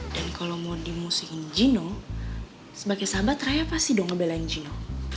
dan kalau mundi mau singkin jino sebagai sahabat raya pasti dong ngebelain jino